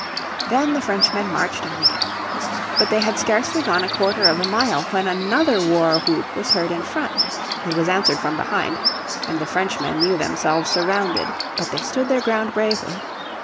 Then the Frenchmen marched on again. But they had scarcely gone a quarter of a mile when another war whoop was heard in front. It was answered from behind, and the Frenchmen knew themselves surrounded. But they stood their ground bravely.